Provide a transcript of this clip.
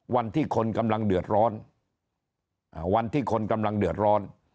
วันที่คนกำลังเดือดร้อนวันที่คนกำลังเดือดร้อน